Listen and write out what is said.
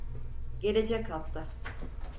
Gelecek hafta.